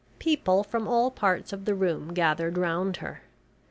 People from all parts of the room gathered round her.